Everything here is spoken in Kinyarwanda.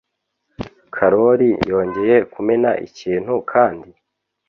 karoli yongeye kumena ikintu kandi?